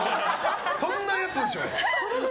そんなやつでしょ。